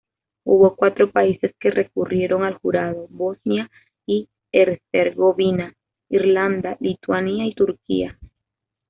Hubo cuatro países que recurrieron al jurado: Bosnia y Herzegovina, Irlanda, Lituania y Turquía.